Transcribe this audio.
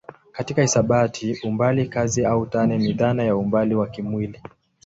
Katika hisabati umbali kazi au tani ni dhana ya umbali wa kimwili.